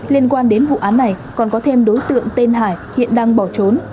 liên quan đến vụ án này còn có thêm đối tượng tên hải hiện đang bỏ trốn